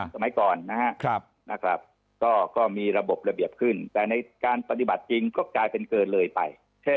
สมัยก่อนนะครับก็มีระบบระเบียบขึ้นแต่ในการปฏิบัติจริงก็กลายเป็นเกินเลยไป